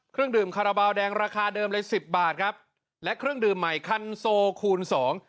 เครื่องดื่มคาราบาลแดงราคาเดิมเลยสิบบาทครับและเครื่องดื่มใหม่คันโซคูณสอง